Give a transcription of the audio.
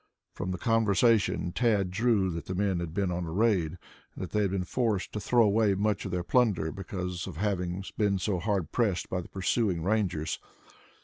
From the conversation Tad drew that the men had been on a raid and that they had been forced to throw away much of their plunder because of having been so hard pressed by the pursuing Rangers.